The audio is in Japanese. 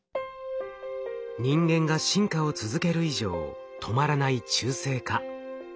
人間が進化を続ける以上止まらない中性化。